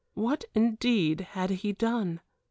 What, indeed, had he done!